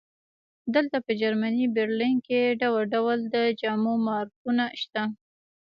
دلته په جرمني برلین کې ډول ډول د جامو مارکونه شته